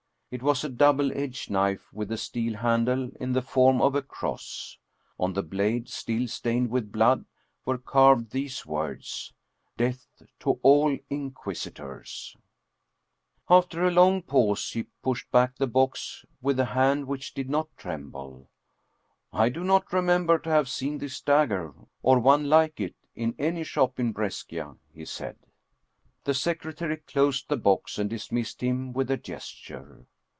It was a double edged knife with a steel handle in the form of a cross. On the blade, still stained with blood, were carved the words :" Death to all Inquisitors !" After a long pause he pushed back the box w~ ; a hand which did not tremble. " I do not remember tc ave seen this dagger, or one like it, in any shop in Bresc ' he said. The secretary closed the box and dismissed him with a gesture.